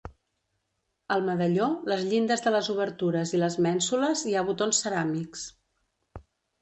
Al medalló, les llindes de les obertures i les mènsules hi ha botons ceràmics.